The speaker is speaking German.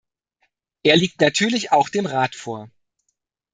Er liegt natürlich auch dem Rat vor.